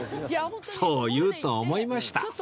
そう言うと思いました